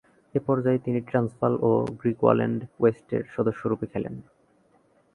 এ পর্যায়ে তিনি ট্রান্সভাল ও গ্রিকুয়াল্যান্ড ওয়েস্টের সদস্যরূপে খেলেন।